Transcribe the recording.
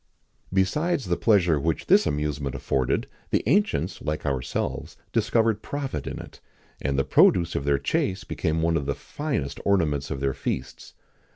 [XIX 35] Besides the pleasure which this amusement afforded, the ancients, like ourselves, discovered profit in it; and the produce of their chase became one of the finest ornaments of their feasts.